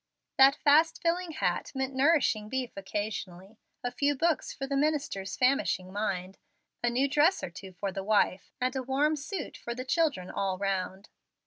That fast filling hat meant nourishing beef occasionally, a few books for the minister's famishing mind, a new dress or two for the wife, and a warm suit for the children all round.